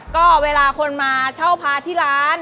ก็เวลาคนมาเช่าพาที่ร้าน